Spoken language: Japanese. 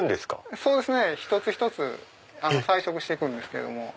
そうですね一つ一つ彩色して行くんです。